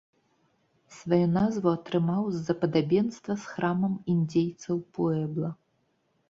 Сваю назву атрымаў з-за падабенства з храмам індзейцаў-пуэбла.